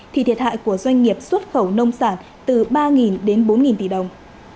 thì thiệt hại của doanh nghiệp xuất khẩu nông sản từ ba đến bốn tỷ đồng